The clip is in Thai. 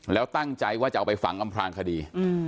แล้วตั้งใจว่าจะเอาไปฝังอำพลางคดี